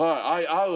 合う？